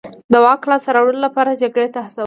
د واک لاسته راوړلو لپاره جګړې ته هڅول.